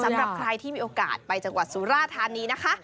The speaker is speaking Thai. สำหรับใครที่มีโอกาสไปจังหวัดสุราธานีนะคะ